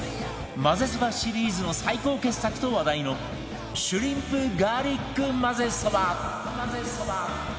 まぜそばシリーズの最高傑作と話題のシュリンプガーリックまぜそば